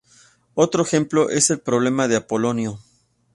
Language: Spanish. Otro ejemplo es el problema de Apolonio.